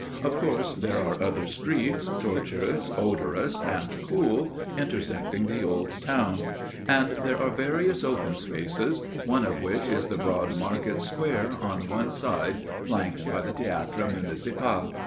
Of course there are other streets, tortuous, odorous and cool, intersecting the old town, and there are various open spaces, one of which is the broad market square on one side flanked by the Théâtre Municipal.